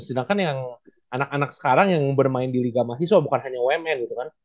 sedangkan yang anak anak sekarang yang bermain di liga mahasiswa bukan hanya umn gitu kan